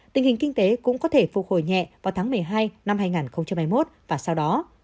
tình hình kinh tế cũng có thể phục hồi nhẹ vào tháng một mươi hai năm hai nghìn hai mươi một và sau đó